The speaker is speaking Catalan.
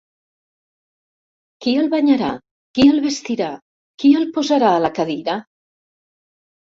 Qui el banyarà, qui el vestirà, qui el posarà a la cadira?